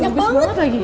yang punya pacar romantis